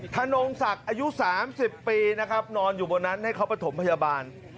ธนงศักดิ์อายุ๓๐ปีนะครับนอนอยู่บนนั้นให้เขาประถมพยาบาล